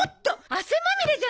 汗まみれじゃない！